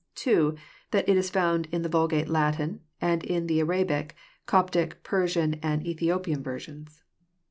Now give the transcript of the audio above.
(2) That it is found in the Vulgate Latin, and in the Arabic, Coptic, Persian, and Ethiopian versions.